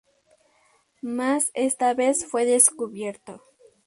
Mas esta vez fue descubierto.